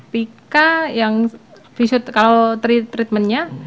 pika yang kalau treatmentnya